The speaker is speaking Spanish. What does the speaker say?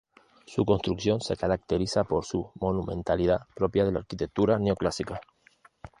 Su construcción se caracteriza por su monumentalidad, propia de la arquitectura neoclásica.